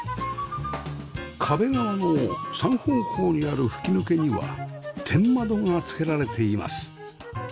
壁側の三方向にある吹き抜けには天窓がつけられています